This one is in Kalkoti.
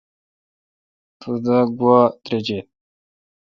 تو دا گواؙ ترجہ۔